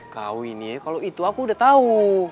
kau ini ya kalo itu aku udah tau